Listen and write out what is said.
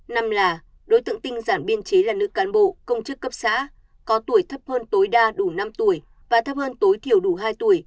năm là đối tượng tinh giản biên chế là nữ cán bộ công chức cấp xã có tuổi thấp hơn tối đa đủ năm tuổi và thấp hơn tối thiểu đủ hai tuổi